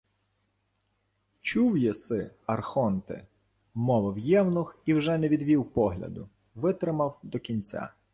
— Чув єси, архонте, — мовив євнух і вже не відвів погляду, витримав до кінця.